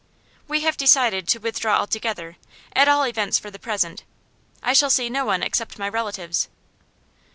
We have decided to withdraw altogether at all events for the present. I shall see no one except my relatives.